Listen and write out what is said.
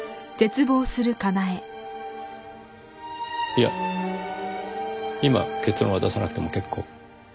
いや今結論は出さなくても結構。